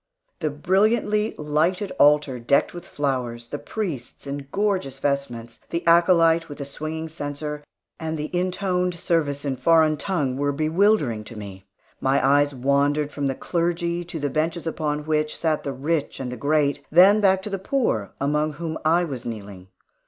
The brilliantly lighted altar, decked with flowers, the priests in gorgeous vestments, the acolyte with the swinging censer, and the intoned service in foreign tongue, were bewildering to me. My eyes wandered from the clergy to the benches upon which sat the rich and the great, then back to the poor, among whom I was kneeling.